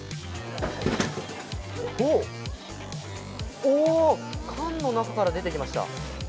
おお、缶の中から出てきました。